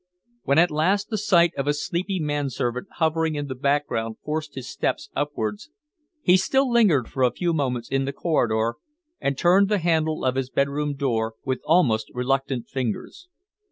When at last the sight of a sleepy manservant hovering in the background forced his steps upstairs, he still lingered for a few moments in the corridor and turned the handle of his bedroom door with almost reluctant fingers.